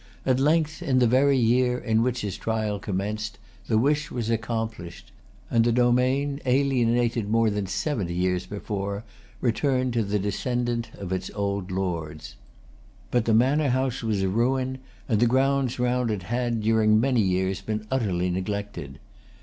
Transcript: At length, in the very year in which his trial commenced, the wish was accomplished; and the domain, alienated more than seventy years before, returned to the descendant of its old lords. But the manor house was a ruin; and the grounds round it had, during many years, been utterly neglected.